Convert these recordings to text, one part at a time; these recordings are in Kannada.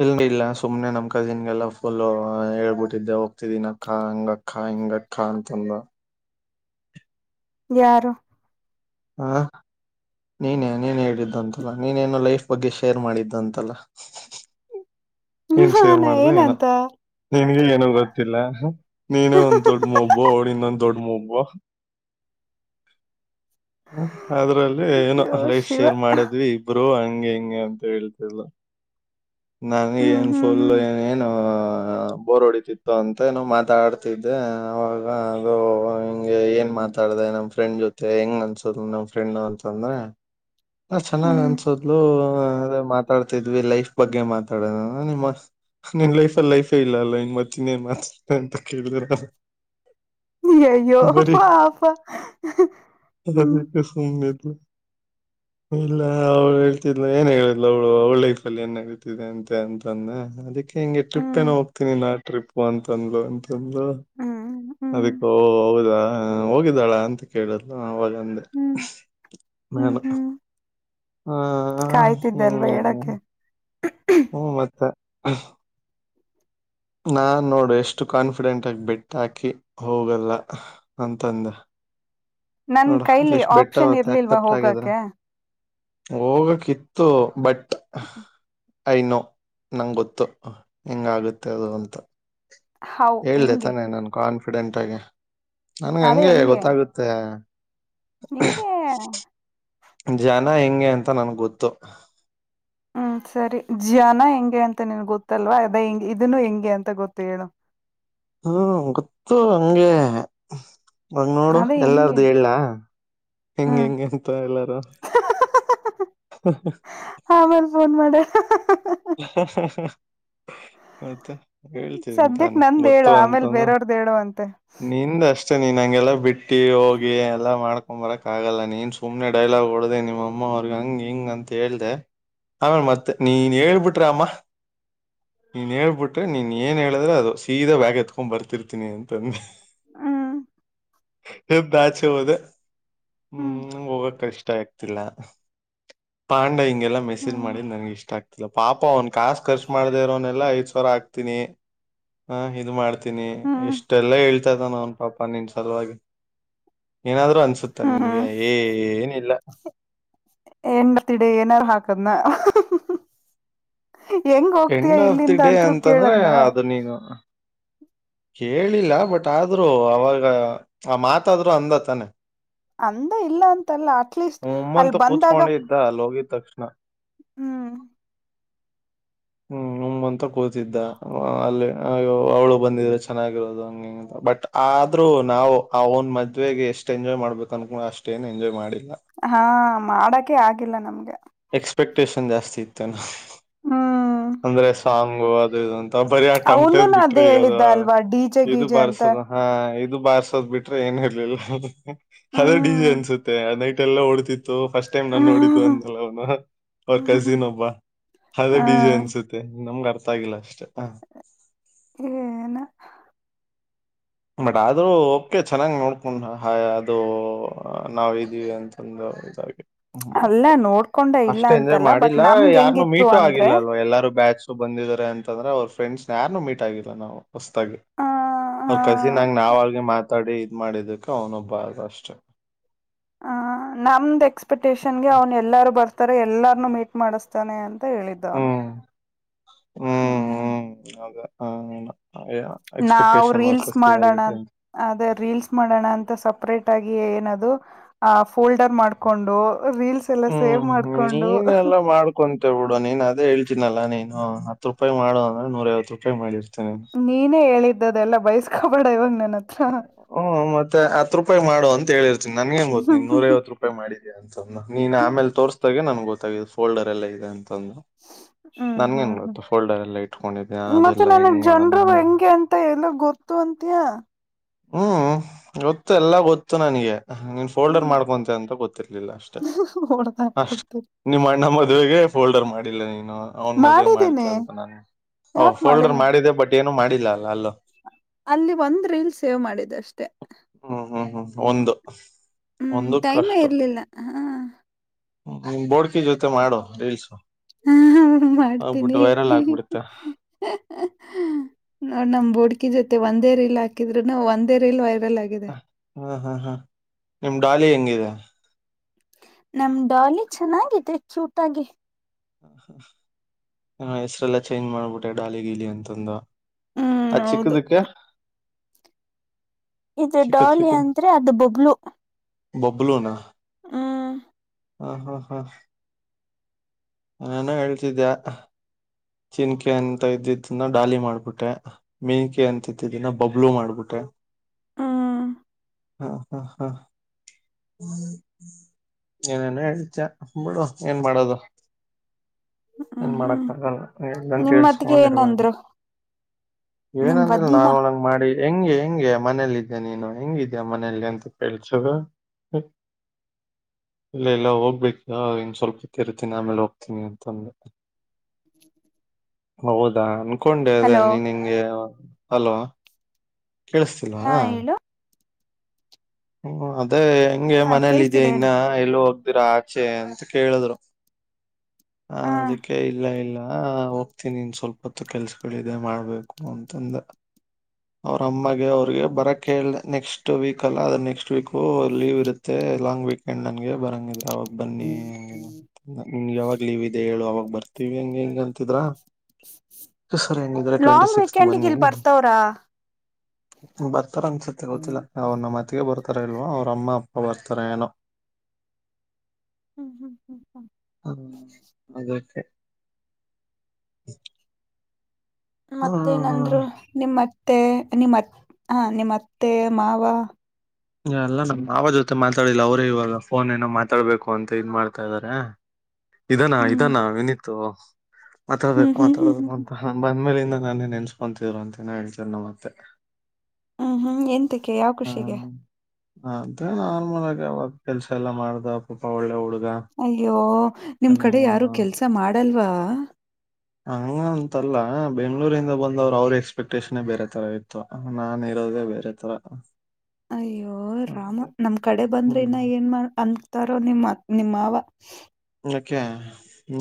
ಯಂಡಿ ಇಲ್ಲ ಸುಮ್ನೆ ನಮ್ಮ ಕಸಿನ್ಗೆಲ್ಲ ಫುಲ್ ಹೇಳ್ಬಿಟ್ಟಿದ್ದೆ ಹೋಗ್ತಿದ್ದೀನ ಅಕ್ಕ ಹಂಗ ಅಕ್ಕ ಹಂಗಕ್ಕ [inaudible] ಕ್ಕ ಅಂತ ಅಂದಲ್ಲು. [inaudible] ಯಾರು? ಆ ನೀನ್ ನೀನ್ ಹೇಳಿದ್ದಂತಲ್ಲ ನೀನೇನೋ ಲೈಫ್ ಬಗ್ಗೆ ಶೇರ್ ಮಾಡಿದ್ದಂತಲ್ಲ. [inaudible] [inaudible] ನಿನ್ನ ಏನ್ ಶೇರ್ ನಾನ ಮಾಡ್ದ ಏನೋ ಏನಂತ ನಿನ್ಗೆ ಏನ ಗೊತ್ತಿಲ್ಲ ನೀನ ಒಂದ್ ದೊಡ್ ಮೊಬೈಲ್ ಅವರ ಇನ್ನೊಂದು ದೊಡ್ಡ ಮುಬ್ಬ ಅದ್ರಲ್ಲಿ ಏನೋ ಅಯ್ಯೋ ಲೈಫ್ ಶಿವ ಶೇರ್ ಮಾಡಿದ್ವಿ ಇಬ್ಬರು ಹಂಗೆ ಹಿಂಗೆ ಅಂತ ಹೇಳ ನನಗ ಹ್ಮ್ ಏನ್ ಹ್ಮ್ ಫುಲ್ ಏನ್ ಬೋರ್ ಹೊಡತಿ ಸಿಕ್ಕತ್ತು ಅಂತೋ ಏನೋ ಮಾತಾಡ್ತಿದ್ದೆ ಅವಾಗ ಅದು ಹಿಂಗೆ ಏನ್ ಮಾತಾಡದೆ ನಮ್ಮ ಫ್ರೆಂಡ್ ಜೊತೆ [inaudible] ಮತ್ತೆ ಹೆಂಗ್ ಅನ್ಸದ ನಮ್ ಫ್ರೆಂಡ್ ಅಂತಂದ್ರೆ ನಾ ಚೆನ್ನಾಗ್ ಹ್ಮ್ ಅನ್ಸದ್ಲು ಮಾತಾಡ್ತಿದ್ವಿ ಲೈಫ್ ಬಗ್ಗೆ ಮಾತಾಡೋದ ನಿಮ್ಮ ನಿನ್ ಲೈಫ ಅಲ್ಲಿ ಲೈಫೇ ಇಲ್ಲ ಅಲ್ಲ ಇನ್ ಮತ್ತ ಇನ್ನೇನ್ ಮಾತಾಡ್ತ ಅಂತ ಕೇಳಿದರ ಅಯ್ಯೋ ಪಾಫ ಅದದಕ್ಕೆ ಸ ಇಲ್ಲ ಅವ್ಳು ಹೇಳ್ತಿದ್ಲು ಏನ ಹೇಳಿದ್ಲು ಅವಳು ಅವಳ ಲೈಫ ಅಲ್ಲಿ ಎನ್ ಆತಿದೆ ಅಂತೆ ಅಂತಂದೆ ಅದಕ್ಕೆ ಹಿಂಗೆ ಟ್ರಿಪ್ ಹ್ಮ್ ಏನೋ ಹೋಗ್ತೀನಿ ನಾ ಟ್ರಿಪ್ ಅಂತಂದ್ಲು ಅಂತಂದ ಹ್ಮ್ ಹ್ಮ್ ಅದಕ್ಕೋ ಹೌದಾ ಹೋಗಿದ್ದಾಳಾ ಅಂತ ಕೇಳುದ ಅವಾಗ ಹ್ಮ್ ನ ಹ ಕಾಯ್ತಿದ್ದಲ್ವಾ ಹೇಳಕ್ಕೆೆ ಹ್ಮ ಮತ್ತೆ ನಾನ್ ನೋಡು ಎಷ್ಟು ಕಾನ್ಫಿಡೆಂಟ್ ಆಗ ಬಿಟ್ಟ ಹಾಕಿ ಹೋಗಲ್ಲ ಅಂತಂದ ನನ್ ನೋಡ ಅಟ್ ಕೈಲಿ ಲೀಸ್ ಬೆಟ್ಟ ಆಪ್ಷನ್ ಆತ್ತೆ ಇರ್ಲಿಲ್ವಾ ಆಕ್ಸೆಪ್ಟ್ಗಿದ್ರ ಹೋಗಕ್ಕೆ ಹೋಗಕಿತ್ತು ಬಟ್ ಯನೋ ನಂಗೆ ಗೊತ್ತು ಹೆಂಗಾಗುತ್ತೆ ಅದು ಅಂತ ಹೌ ಹೇಳ್ದ ಹೆಂಗೆ ತಾನೆ ನನ್ ಕಾನ್ಫಿಡೆಂಟ್ ಆಗಿ ನನ್ಗೆ ಅದೇ ಹಂಗೆ ಗೊತ್ತಾಗುತ್ತೆ ನಿಂಗೆ ಜನ ಹೆಂಗೆ ಅಂತ ನನ್ಗ್ ಗೊತ್ತು ಹ್ಮ್ ಸರಿ ಜನ ಹೆಂಗೆ ಅಂತ ನಿನ್ ಗೊತ್ತಲ್ವಾ ಅದ ಹೆಂಗ ಇದನ್ನು ಹೆಂಗೆ ಅಂತ ಗೊತ್ತು ಹೇಳು ಹ್ಮ ಗೊತ್ತು ಹಂಗೆ ಮಾಗ ನೋಡು ಅದೇ ಹೆಂಗೆ ಎಲ್ಲಾರ್ದು ಹೇಳಲ್ಲ ಹೆಂಗ್ ಹ್ಮ್ ಹೆಂ ಅಂತ ಎಲ್ಲಾರೂ [inaudible] ಹ ಹ ಮಾರ ಫೋನ್ ಮಾಡ ಹ ಮತ್ತೆ ಹ್ಮ್ ಹೇಳ್ತಿದ್ದೀನಿ ಸದ್ಯಕ್ ತಾನೇ ನಂದ ಹೇಳು ಗೊತ್ತು ಆಮೇಲ್ ಅಂತನ ಬೇರೆಯವ್ರ್ದ ಹೇಳು ಅಂತೆ ನಿಂದಷ್ಟೇ ಅಷ್ಟೆ ನೀನ್ ಹಂಗೆಲ್ಲಾ ಬಿಟ್ಟಿ ಹೋಗಿ ಎಲ್ಲ ಮಾಡ್ ತ್ಂಬರಕ್ ಆಗಲ್ಲ ನೀನ್ ಸುಮ್ಮನೆ ಡೈಲಾಗ್ ಹೊಡದೆ ನಿಮ್ಮ ಅಮ್ಮ ಅವ್ರಿಗೆ ಹಂಗಗೆ ಹಿಂಗ ಅಂತ ಹೇಳ್ದೆ ಆಮೇಲೆ ಮತ್ತೆ ನೀನ್ ಹೇಳ್ಬಿಟ್ರಮ್ಮ ನೀನ್ ಹೇಳ್ಬಿಟ್ರೆ ನೀನ್ ಏನು ಹೇಳಿದ್ರೆ ಅದು ಸೀದಾ ಬ್ಯಾಗ್ ಎತ್ಕೊಂಡ್ ಬರ್ತಿರ್ತೀನಿ ಅಂತಂದೆ ಹ್ಮ ಬಾಚೆ ಹೋದೆ ಹ್ಮ್ ಹೋಗಕ್ ಕಷ್ಟ ಆಯತ ಲ್ಲ ಪಾಂಡ ಹಿಂಗೆಲ್ಲಾ ಮೆಸೇಜ್ ಹ್ಮ್ ಮಾಡಿ ನನ್ಗೆ ಇಷ್ಟ ಆಗ್ತ ಪಾಪ ಅವ್ನ್ ಕಾಾಸು ಖರ್ಚು ಮಾಡ್ದ ಇರ ಅವನ್ನನೆಲ್ಲಾ ಐದ್ ಸಾವರ ಹಾಕ್ತೀನಿ ಹ ಇದ್ ಮಾಡ್ತಿ ಹ್ಮ್ ಇಷ್ಟೆ ಎಲ್ಲಾ ಹೇಳ್ತಾ ಇದ್ದಾನ ಅವನ್ ಪಾಪ ನಿನ್ ಸಲುವಾಗಿ ಏನಾದ್ರು ಅನ್ಸುತ್ತೆ ಗತ್ತಾ ನಿನ್ಗೆ ಹ್ಮ್ ಏ ಏನಿಲ್ಲ ಎಂಡ್ಣ ತಿಡಿ ಏನಾರು ಹಾಕದ್ನ ಹೆಂಗ ಹೋಗ್ತಯ ಇಲ್ಲಿಂದ ಅತ್ರು ಕೇಳದ್ನ ಸಗ ಕೇಳಿಲ್ಲ ಬಟ್ ಆದ್ರೂ ಅವಾಗ ಆ ಮಾತಾದ್ರು ಅಂದತಾನೆ ಅಂದ ಇಲ್ಲ ಅಂತಲ್ಲ ಅಟ್ಲೀಸ್ಟ್ ಹ್ಮ್ ಅಲ್ಲಿ ಅಂತ ಬಂದಾಗ ಕೂತ್ಕೊಂಡೆ ಇದ್ದ ಅಲ್ಲಿ ಹೋಗಿದ್ ತಕ್ಷಣ ಹ್ಮ್ ಹ್ಮ್ ಹ ಅಂತ ಕೂತಿದ್ದ ಅಲ್ಲಿ ಅವಳು ಬಂದಿದ್ರೆ ಚೆನ್ನಾಗಿರೋದು ಹಂಗೆ ಬಟ್ ಆದ್ರೂ ನಾವು ಆ ಒನ್ ಮದ್ವೆೆಗೆ ಎಷ್ಟ್ ಎಂಜಾಯ್ ಮಾಡ್ಬೇಕ ಅನ್ಕೊಂಡ ಅಷ್ಟ ಏನ್ ಎಂಜಾಯ್ ಮಾಡಿಲ್ಲ ಹಾ ಮಾಡಕೆ ಆಗಿಲ್ಲ ನಮ್ಗೆ ಎಕ್ಸ್ಪೆಕ್ಟೇಷನ್ ಜಾಸ್ತಿ ಇತ್ತು ನ ಹ್ಮ ಅಂದ್ರೆ ಸಾಂಗು ಅದು ಇದು ಅಂತ ಬರಿ ಆಟಮಟದ್ ಅವನುನು ಅದೇ ಬಿಟ್ರಿ ಅದು ಹೇಳಿದ್ದ ಅಲ್ವಾ ಡಿಜೆ ಇದು ಗೀಜೆ ಅಂತ ಬಾರ್ಸದ ಹಾ ಇದು ಬಾರ್ಸೋದ್ ಬಿಟ್ರೆ ಏನ್ ಹೇಳಿಲ್ಲ ಅದೇ ಡಿಸಿಿ ಹ್ಮ್ ಅನ್ಸುತ್ತೆ ನೈಟ್ ಎಲ್ಲ ಓಡ್ತಿ ಫಸ್ಟ್ ಟೈಮ್ ನಾನ್ ನೋಡಿದ್ದು ಹ್ಮ್ ಅಂದಲ್ಲ ಅವನು ಅವ್ರ ಹ್ಮ್ ಕಸಿನ್ ಒಬ್ಬ ಅದ ಹ ಡಿಜು ಅನ್ಸ್ ನಮ್ಗ ಅರ್ಥ ಆಗಿಲ್ಲ ಅಷ್ಟೇ ಏ ನ ಬಟ್ ಆದ್ರೂ ಓಕೆ ಚೆನ್ನಾಗ್ ನೋಡ್ಕೊಂಡ್ ಹ ಅದು ನಾವ ಇದ್ದೀವಿ ಅಂತ ಅದೆ ಅಲ್ಲ ಬಟ್ ನೋಡ್ಕೊಂಡೆ ಇಲ್ಲ ಅಷ್ಟೇ ಎಂದ ಅಂತಲ್ಲ ಬಟ್ ಮಾಡಿಲ್ಲ ನಮ್ಗೆ ಯಾರನುೂ ಹೆಂಗಿತ್ತು ಮೀಟು ಅಂದ್ರೆ ಆಗಿಲ್ಲ ಅಲ್ವಾ ಎಲ್ಲಾರೂ ಬ್ಯಾಚ್ ಬಂದಿದಿದ್ದಾರೆ ಅಂತಂದ್ರೆ ಅವ್ರ ಫ್ರೆಂಡ್ಸ್ ನ ಯಾರು ಮೀಟ್ ಆಗಿಲ್ಲ ನಾವು ಹೊಸತಾಗಿ ಹ ಅವ್ರ ಕಸಿ ನಂಗ ನಾವ್ ಆಿ ಮಾತಾಡಿ ಇ ಇದ್ ಮಾಡಿದಕ್ಕೆ ಅವ್ನೊಬ್ಬ ಅ ಅಷ್ಟೆ ಹ ನಮ್ದ್ ಎಕ್ಸ್ಪೆಕ್ಟೇಷನ್ ಗೆ ಅವ್ನ್ ಎಲ್ಲಾರೂ ಬರ್ತ ತರ ಎಲ್ಲಾರ್ನು ಮೀಟ್ ಮಾಡಿಸ್ತಾನೆ ಅಂತ ಹೇಳಿದ್ದವ್ನು ಹ್ಮ ಹ್ಮ ಹ್ಮ್ ಅದೇ ಹ ಆ ನಾವವು್ ರೀಲ್ಸ್ ಮಾಡೋಣ ಅದೇ ರೀಲ್ಸ್ ಮಾಡೋಣ ಅಂತ ಸಪ್ರೇಟ್ ಆಗಿ ಏನದು ಆ ಫೋಲ್ಡರ್ ಮಾಡ್ಕೊಂಡು ರೀಲ್ಸ್ ಎಲ್ಲ ಸೇವ್ ಮಾಡ್ಕೊಂಡು ಕೊಂತೇಳ್ ಬಿಿಡು ನೀನ್ ಅದೇತನಲ್ಲ ನೀನು ಹತ್ತು ರೂಪಾಯಿ ಮಾಡು ಅಂದ್ರೆ ನೂರೈಐವತ್ತು ರೂಪಾಯಿ ಮಾಡಿರ್ತೀನಿ ನೀನೇ ಹೇಳಿದ್ದದೆ ಎಲ್ಲಾ ಬಯಸ್ಕೊಬೇಡ ಇವಾಗ ನನ್ ಹತ್ರ ಹ್ಮ್ ಮತ್ತೆ ಹತ್ ರೂಪಾಯಿ ಮಾಡು ಅಂತ ಹೇಳಿರ್ತನಿ ನನ್ಂಗ ಗೊತ್ತು್ಿನ್ ಹ್ಮ್ ನೂರೈವತ್ತು ರೂಪಾಯಿ ಮಾಡಿದ ಅಂತಂದ ನೀನ್ ಆಮೇಲೆ ತೋರ್ಸ್ದಾಗೆ ನನ್ಗೆ ಗೊತ್ತ ಫೋಲ್ಡರ್ ಎಲ್ಲ ಇದೆ ಅಂತಂದ ನನ್ಗೇನ್ ಹ್ಮ್ ಹ್ಮ್ ಗೊತ್ತು ಫೋಲ್ಡರ್ ಎಲ್ಲ ಇಟ್ಕೊಂಡಿದ್ದ ಅದೆಲ್ಲ ಹೆಂಗ್ ಮಾಡೋ ನಂಗ ಮಾಡ ಮತ್ತ ಎಲ್ಲ ಗೊತ್ತು ಅಂತಯಾ ಹ್ಮ್ ಗೊತ್ತು ಎಲ್ಲಾ ಗೊತ್ತು ನನಗೆ ನೀನ್ ಫೋಲ್ಡರ್ ಮಾಡ್ಕೊಂತೆ ಅಂತ ಗೊತ್ತಿರ್ಲಿಲ್ಲ ಅಷ್ಟ ಹೊಓಡದ ಹಾಕ್ಕ ಕೊಡ್ತೇರಿ ನಿಮ್ಮ ಅಣ್ಣ ಮದುವೆಗೆ ಫೋಲ್ಡರ್ ಮಾಡಿಲ್ಲ ನೀನು ಅವನ್ ಮದೆ ಮಾಡ್ತ ಮಾಡಿದೀನಿ ಅಂತ ನಾನು ಯಾಕ್ ಫೋಲ್ಡರ್ ಮಾಡಿಲ್ಲ ಮಾಡಿದೆ ಬಟ್ ಏನು ಮಾಡಿಲ್ಲ ಅಲ್ಲ ಅಲ್ಲ ಅಲ್ಲಿ ಒಂದ್ ರೀಲ್ ಸೇವ್ ಮಾಡಿದ್ದ ಅಷ್ಟೇ ಹ್ಮ್ ಹ್ಮ್ ಹ್ಮ್ ಒಂದು ಹ್ಮ್ ಒಂದು ಟೈಮೇ ಕಷ್ಟ ಇರ್ಲಿಲ್ಲ ಹ ಬೋಡ್ಕಿ ಜೊತೆ ಮಾಡೋ ರೀಲ್ಸ ಹಾ ಮಾಡ್ತೀನಿ ಆಗ್ಬಿಡುತ್ತೆ ನೋ ನಮ್ ಬೋಡ್ಕಿ ಜೊತೆ ಒಂದೇ ರೀಲ್ ಹಾಕಿದ್ರುನು ಒಂದೇ ರೀಲ್ ವೈರಲ್ ಆಗಿದೆ ಹ, ಹಾ ಹಾ ಹಾ ನಿಮ್ ಡಾಲಿ ಹೆಂಗಿದೆ ನಮ ಡಾಲಿ ಚೆನ್ನಾಗಿದೆ ಚೂಟಾಗಿ ಹಾ ಹೆಸ್ರಲ್ಲಾ ಚೇಂಜ್ ಮಾಡ್ಬಿಟ್ಟೆ ಡಾಲಿ ಗೀಲಿ ಅಂತಂದು ಹ್ಮ್ ಆ ಚಿಕ್ಕ ಹೌದು ದಕ್ಕ ಇದು ಡಾಲಿ ಅಂದ್ರೆ ಅದು ಬೊಬ್ಲು ಬಬ್ಲುನ ಹ್ಮ ಹಾ ಹಾ ಹಾ ಏನೋ ಹೇಳ್ತಿದ್ದ್ಯಾ ಚಿಿನಕೆ ಅಂತ ಇದ್ದಿದ್ದನ್ನ ಡಾಲಿ ಮಾಡ್ಬಿಟ್ಟೆ ಮೀಂಕೆ ಅಂತಿತ್ತು ಇದಿನ ಬಬ್ಲು ಮಾಡ್ಬಿಟ್ಟೆ ಹ್ಮ್ ಹಾ ಹಾ ಹಾ ಏನೇನ ಹೇಳ್ತ ಬಿಡು ಏನ್ ಮಾಡದು ಏನ್ ಹ್ಮ್ ಹ್ಮ್ ಮಾಡಕ್ ಅಗಲ ಂತ ನಿಮ್ಮತ್ಗೆ ಕೇಳಸ್ಕೊಂಡಿರಬದು ಏನಂದ್ರು ನಿಮ್ ಏನಂದ್ರಿಲ್ಲ ವದಿನ ನಾರಲ್ ಂಗ ಮಾಡಿ ಹೆಂಗೆ ಹೆಂಗೆ ಮನೇಲ್ ಇದ್ದ್ಯಾ ನೀನು ಹೆಂಗಿದ್ಯಾ ಮನೇಲಿ ಅಂತ ಕೇಳ್ಸು ಹೂ ಇಲ್ಲ ಇಲ್ಲ ಹೋಗ್ಬೇಕ ಇನ್ ಸ್ವಲ್ಪ ಇತ್ತ ಇರ್ತಿ ಆಮೇಲೆ ಹೋಗ್ತೀನಿ ಅಂತಂದೆ ಹೌದಾ ಅನ್ಕೊಂಡೆ ಅದ ಹಲೋ ನೀ ನಿಂಗೆ ಅಲೋ ಹಾ ಕೇಳಿಸ್ತಿಲ್ವಾ ಹೇಳು ಹೂ ಅದೇ ಹೆಂಗೆ ಹಾ ಮನೇಲ್ಲ ಇದೆಯ ಕೇಳ್ತಿದೆ ಇನ್ನ ಹೇಳು ಎಲ್ಲ ಹೋಗ್ದಿರ ಆಚೆ ಅಂತ ಕೇಳಿದ್ರು ಹಾ ಅದಕ್ಕೆ ಇಲ್ಲ ಇಲ್ಲ ಹಾ ಹೋಗ್ತೀನಿನ್ ಸ್ವಲ್ಪ ಹೊತ್ತು ಕೆಲ್ಸಗಳಿದೆ ಮಾಡ್ಬೇಕು ಅಂತಂದ ಅವ್ರ ಅಮ್ಮಗೆ ಅವ್ರಿಗೆ ಬರ ಕೇಳಿದೆ ನೆಕ್ಸ್ಟ್ ವೀಕ್ ಅಲ್ಲ ಅದನ್ನ ನೆಕ್ಸ್ಟ್ ವೀಕು ಲೀವ್ ಇರುತ್ತೆ ಲಾಂಗ್ ವೀಕೆಂಡ್ ನಂಗೆ ಬರಂಗಿದ್ರ ಅವಾಗ ಬನ್ನಿ ಹಾ ನಿ್ ಯಾವಾಗ ಲೀವ್ ಇದೆ ಹೇಳು ಅವಾಗ ಬರ್ತೀವಿ ಹಂಗ ಹೆಂಗ ಅಂತಿದ್ರ ಸರಿ ಹಾಗಿದ್ರೆ ಟ್ವೆಂಟಿ ಲಾಂಗ್ ಸಿಕ್ಸ್ತ್ ವೀಕೆಂಡ್ಗೆ ಬನ್ನಿ ಇಲ್ ಬರ್ತವ್ರ ಬರ್ತಾರ ಅನ್ಸುತ್ತೆ ಹ್ಮ್ ಗೊತ್ತಿಲ್ಲ ಅವ್ರ ನಮ್ಮತಿಗೆ ಬರ್ತಾರ ಇಲ್ವ ಅವ್ರ ಅಮ್ಮ ಅಪ್ಪ ಬರ್ತಾರ ಏನೋ [inaudible] ಹ ಅದೆ ಮತ್ತೆ ನಂದ್ರು ಹ್ಮ ನಿಮ್ಮತ್ತೆ ನಿಮ್ಮ ಹ ನಿಮ್ಮತ್ತೆ ಮಾವ ಅಲ್ಲ ನಮ್ಮ್ ಮಾವ ಜೊತೆ ಮಾತಾಡಿಲ್ಲ ಅವರೇ ಇವಾಗ ಫೋನ್ ಏನೋ ಮಾತಾಡ್ಬೇಕು ಅಂತ ಇನ್ ಮಾಡ್ತಾ ಇದ್ದಾರೆ ಇದಾನ ಹ್ಮ್ ಇದಾನ ವಿನತ್ತುು ಹ್ಮ್ ಮಾತಾಡ್ಬೇಕು ಹ್ಮ್ ಹ್ಮ್ ಹ್ಮ್ ಮಾತಾಡ್ಬೇಕು ಹ್ಮ್ ಅಂತ ಹ ಬಂದ್್ಮೇಲಿಂದ ನಾನೇ ನೆನ್ಸ್ಕೊತಿದ್ರು ಅಂತೇನ ಹೇಳ್ತನೆ ನ ಮತ್ತೆ ಹೂ ಹೂ ಎನ್ಂತಿಕ ಯಾವ ಖುಷಿಗೆ ಹ ಅಂತ ನಾರ್ಮಲ್ ಆಗ ಅವವಾಗ ಕೆಲ್ಸ ಎಲ್ಲಾ ಮಾಡ್ದ ಪಾಪ ಒಳ್ಳೆ ಹುಡುಗ ಅಯ್ಯೋ ನಿಮ್ ಕಡೆ ಯಾರು ಕೆಲ್ಸ ಮಾಡಲ್ವಾ ಹಂಗ ಅಂತಲ್ಲ ಬೆಂಗ್ಗಳೂರಿಂದ ಬಂದವ್ರು ಅವ್ರ ಎಕ್ಸ್ಪೆಕ್ಟೇಷನ್ೇ ಬೇರೆ ತರ ಇರುತ್ತೆ ಹ ನಾನ್ ಇರೋದೇ ಬೇರೆ ತರ ಅಯ್ಯೋ ರಾಮ ಅದೇ. ನಮ್ ಕಡೆ ಬಂದ್ರೆ ಹ್ಮ್ ಇನ್ನ ಏನ್ ಮಾಡ ಅನ್ ತಾರೋ ನಿಮ್ಮ ಮಾವ ಯಾಕೆ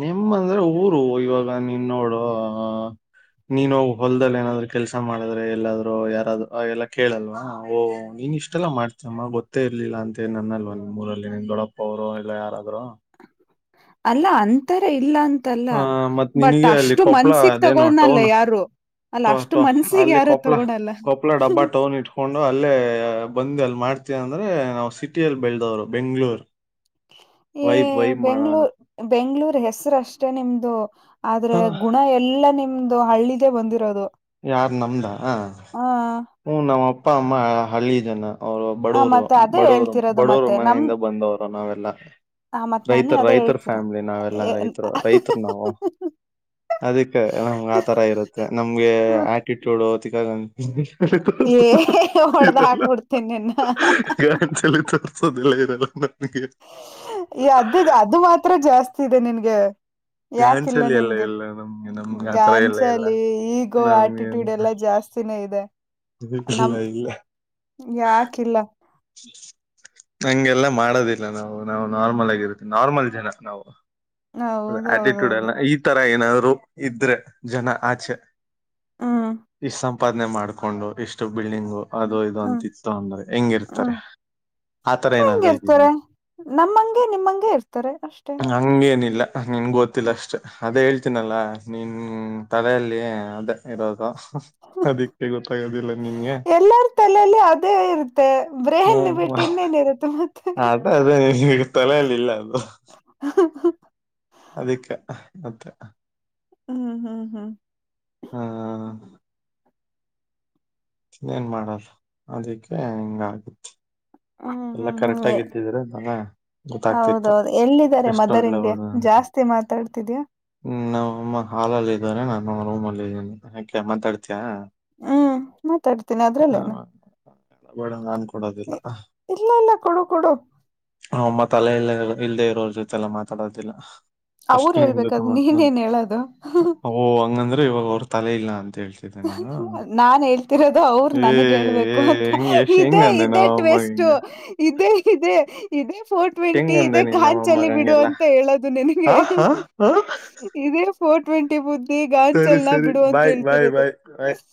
ನಿಮ್ಮಂದ್ರೆ ಊರು ಇವಾಗ ನೀನ್ ನೋಡು ನೀನ್ ಹೋಗ ಹೊಲ್ದಲ್ಲಿ ಏನಾದ್ರು ಕೆಲಸ ಮಾಡಿದ್ರೆ ಎಲ್ಲಾದ್ರು ಯಾರಾದರು ಎಲ್ಲ ಕೇಳಲ್ವಾ ಓಹ ನೀ ಇಷ್ಟ ಮೆಲ್ಲ ಮಾಡ್ತಮ್ಮ ಗೊತ್ತ ಇರ್ಲಿಲ್ಲ ಅಂತೇಳಿ ನನ್ನಲ್ವ ನಿಮ್ಮೂರಲ್ಲಿ ನಿ ದೊಡಪ್ಪ ಅವರು ಎಲ್ಲ ಯಾರಾದ್ರು ಅಲ್ಲ ಅಂತರ ಇಲ್ಲ ಅಂತಲ್ಲ ಹ ಮತ್ ಬಟ್ ನಿನಗೆ ಅಲ್ಲಿ ಅಷ್ಟು ಕೊಪ್ಪಳ ಮನ್ಸಿಿಗೆ ಅದೇನು ಟೌನ್ ತಗೋದ್ನಲ್ಲ ಯಾರು ಅಲ್ಲ ಟೊ ಅಷ್ಟು ಟೊ ಮನ್ಸಿಗೆ ಅಲ್ಲಿ ಯಾರು ತಗೋಳಲ್ಲ ಹಕೊಂಡು ಅಲ್ಲೇ ಬಂದ್ ಅಲ್ಲಿ ಮಾಡ್ತವಿ ಅಂದ್ರೆ ನಾವು ಸಿಟಿಯಲ್ಲಿ ಬೆಳೆದವ್ರು ಬೆಂಗ್ಳೂರ್ ಏ ವೈ ವೈ ಮಾಡ ನ ಬೆಂಗ್ಳೂರ್ ಬೆಂಗ್ಳೂರ್ ಹೆಸರುಷ್ಟೇ ನಿಮ್ದು ಆದ್ರೆ ಗುಣ ಎಲ್ಲಾ ನಿಮ್ದು ದು ಹಳ್ಳಿದೇ ಬಂದಿರೋದು ಯಾರ್ ನಮ್ದ ಹಾ ಹೂ ನಮ್ಮ ಅಪ್ಪ ಅಮ್ಮ ಹಳ್ಳಿ ಜನ ಅವ್ರು ಹ ಬಡೂರು ಮತ್ತೆ ಅದೇ ಬಡೂರು ಹೇಳ್ತಿರೋದು ಬಡೂರು ಮತ್ತೆ ನಮ್ ಮನೆಯಿಂದ ಬಂದವರು ನಾವೆಲ್ಲ ಹ ಮತ್ ನಾನೇ ರೈತರ್ ಅದೇ ರೈತರ ಹೇಳ್ತೀರ ಫ್ಯಾಮಿಲಿ ನಾವೆಲ್ಲಾ ರೈತರು ರೈತರ್ ನಾವವು ಅದಕ್ಕೆ ನಮ್ ಆತರ ಇರುತ್ತೆ ನಮ್ಗೆ ಮತ್ ಆಟಿಟ್ಯೂಡ್ ಇ ಏ ಶಕ್ತತ ಹೊಡ್ದ ಇಲ್ಲ ಹಾಕ್ಬಿಡ್ತೀನಿ ನಿನ್ನ [inaudible] ಈ ತರಿಸಸೋದಿಲ್ಲ ಇರಲ್ಲ ನನಗೆ ಈ ಅದ ಅದು ಮಾತ್ರ ಜಾಸ್ತಿ ಇದೆ ನಿನ್ಗೆ ಯಾಕಿಲ್ಲ ಡ್ಯಾನ್ಸಲ್ಲಿ ಎಲ್ಲ ನಿನ್ಗೆ ಇಲ್ಲ ನಮ್ಗೆ ನಮ್ಗೆ ಆತರ ಎಲ್ಲ ಇಲ್ಲ ಗಾನ್ಚಾಲಿ ಈಗೋ ನಮ್ಗೆ ಆಟಿಟ್ಯೂಡ್ ಎಲ್ಲಾ ಜಾಸ್ತಿ ಸಿನೆ ಇದೆ ಲ್ಲ ನಮ್ ಇಲ್ಲ ಯಾಕಿಲ್ಲ ಹಂಗೆಲ್ಲ ಮಾಡೋದಿಲ್ಲ ನಾವು ನಾವು ನಾರ್ಮಲ್ ಆಗಿರುತ್ತೆ ನಾರ್ಮಲ್ ಜನ ನಾವು ಅ ಆಟಿಟ್ಯೂಡ್ ಹೌದೌದೌದು ಎಲ್ಲ ಈ ತರ ಏನಾದ್ರು ಇದ್ರೆ ಜನ ಆಚೆ ಹ್ಮ್ ಈ ಸಂ ಉತ್ಪಾದನೆ ಮಾಡ್ಕೊಂಡು ಇಷ್ಟು ಬಿಲ್ಡಿಂಗು ಅದು ಹ್ಮ್ ಇದು ಅಂತಿತ್ತು ಅನ್ನೋದು ಹೆಂಗಿರ್ತಾರೆ ಹ್ಮ್ ಆತರ ಹೆಂಗ ಏನಾದ್ರು ಇದೀನ ಇರ್ತಾರೆ ನಮ್ಮಂಗೆ ನಿಮ್ಮಂಗೆ ಇರ್ತಾರೆ ಅಷ್ಟೆ ಹಂಗೇನಿಲ್ಲ ನಿನ್ ಗೊತ್ತಿಲ್ಲ ಅಷ್ಟೇ ಅದೇ ಹೇಳ್ತೀನಲ್ಲ ನಿನ್ ತಲೆಯಲ್ಲಿ ಅದೇ ಇರೋದು ಅದಕ್ಕೆ ಗೊತ್ತಾಗೋದಿಲ್ಲ ನಿಂಗೆ ಎಲ್ಲರ ತಲೆಯಲ್ಲಿ ಅದೇ ಇರುತ್ತೆ ಬ್ರೇಹನ್ ಹ್ಮ್ ಬಿಟ್ಟು ಇನ್ನೇನ್ ಇರುತ್ತೆ ಮತ್ತೆ ಅದ ಅದೇ ನಿನ್ ಈಗ ತೊಲೆಯಲ್ಲಿಲ್ಲ ಅದು ಹ ಅದಕ್ಕೆ ಮತ್ತೆ ಹ್ಮ್ ಹ್ಮ್ ಹ್ಮ್ ಹಾ ಇನ್ನೇನ್ ಮಾಡಲ್ಲ ಅದಕ್ಕೆ ಹೆಂಗ ಆಗುತ್ತ ಹ್ಮ್ ಹ್ಮ್ ಹ್ಮ್ ನಾನ ಗೊತ್ತಾಗ್ತಿತ್ತು ಹೌದೌದು ಎಲ್ಲಿದ್ದಾರೆ ಎಷ್ಟು ಒಳ್ಳೆ ಮದರಿಂಡಗೆ ಜಾಸ್ತಿ ಮೆ ಮಾತಾಡ್ತಿದ್ಯಾ ಹ್ಮ್ ನಾವುಮ್ಮ ಹಾಲಲ್ಲಿ ಇದಾರೆ ನಾನ ರೂಮ್ ಅಲ್ಲಿ ಹಾಕ ಮಾತಾಡ್ತಯ ಹ್ಮ್ ಮಾತಾಡ್ತೀನಿ ಅದ್ರಲ್ಲೇನ ಬೇಡಂಗ ಅನ್ಕೊಡೋದಿಲ್ಲ ಇಲ್ಲ ಇಲ್ಲ ಕೊಡು ಕೊಡು ಹಮ್ಮತ್ತತ್ಲೆ ಇಲ್ಲ ಇಲ್ಲದೆ ಇರೋರ ಜೊತೆಲ್ಲಾ ಮಾತಾಡೋದಿಲ್ಲ ಫಸ್ಟ್ ಅವರು ನಿನ್ ಜೊತೆ ಹೇಳ್ಬೇಕಾದ ಮಾತಾಡ ನೀನೇನ್ ಹೇಳದು ಓ ಹಂಗಂದ್ರೆ ಇವಾಗ ಅವ್ರ ತಲೆ ಇಲ್ಲಾ ಅಂತ ಹೇಳ್ ನಾನ್ ಹೇಳ್ತಿರೋದು ಅವರು ಏ ನನ್ಗ್ ಏ ಹೇಳ್ಬೇಕು ಅಂತ ಹೆಂಗ್ ಎಷ್ಟ್ ಹೆಂಗ್ ಇದೇ ಅಂದೆ ಇದೇ ನಮ್ಮಮ್ಮಗ ಟ್ವೇಸ್ಟ್ ಹಿಂಗ ಅಷ್ಟ ಇದೆ ಇದೆ ಇದೆ ಫೋರ್ ಹೆಂಗ್ ಟ್ವೆಂಟಿ ಇದೆ ಅಂದೆ ನೀನ್ ನಮ್ಮಮ್ಮಗ ಘಾಂಚಲಿ ಬಿಡು ಹಂಗೆಲ್ಲ ಅಂತ ಹೇಳದು ನಿನಗೆ ಆ ಹಾ ಹಾ ಇದೇ ಫೋರ್ ಟ್ವೆಂಟಿ ಬುದ್ದಿ ಸರಿ ಗಾಂಚಲ್ ನ ಸರಿ, ಬಿಡು ಅಂತ ಬಾಯ್ ಹೇಳ್ ಬಾಯ್ ಬಾಯ್ ಆ